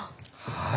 はい。